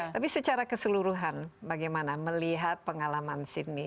tapi secara keseluruhan bagaimana melihat pengalaman sini